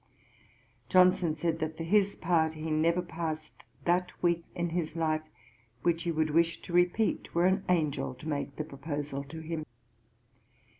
'Johnson said that, for his part, he never passed that week in his life which he would wish to repeat, were an angel to make the proposal to him.'